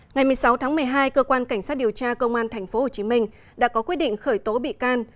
ngày một mươi sáu tháng một mươi hai cơ quan cảnh sát điều tra công an tp hcm đã có quyết định khởi tố bị can